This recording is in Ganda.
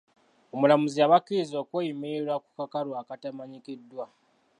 Omulamuzi yabakkirizza okweyimirirwa ku kakalu akataamanyikiddwa.